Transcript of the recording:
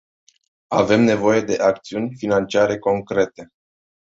Avem nevoie de acțiuni financiare concrete.